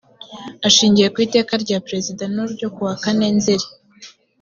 ashingiye ku iteka ry perezida no ryo kuwakane nzeri